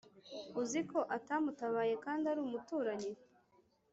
Uziko atamutabaye kndi arumuturanyi